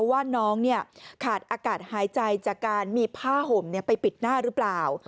ว่าน้องขาดอากาศหายใจจากการมีผ้าห่มไปปิดหน้าหรือเปล่า